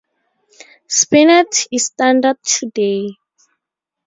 "Spinet" is standard today.